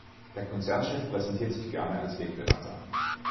Der Konzernchef präsentiert sich gerne als Wegbereiter.